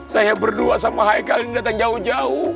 saya berdua sama hai kalian datang jauh jauh